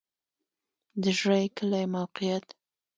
د ژرۍ کلی موقعیت